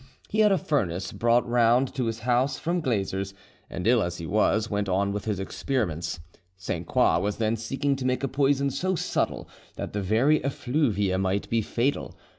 He had a furnace brought round to his house from Glazer's, and ill as he was, went on with the experiments. Sainte Croix was then seeking to make a poison so subtle that the very effluvia might be fatal.